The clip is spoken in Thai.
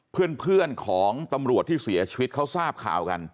เพื่อนของตำรวจที่เสียชีวิตเขาทราบข่าวกัน